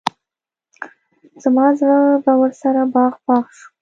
زما زړه به ورسره باغ باغ شو.